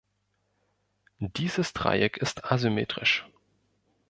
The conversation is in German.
Dieses Dreieck ist asymmetrisch.